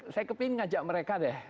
saya kepingin ngajak mereka deh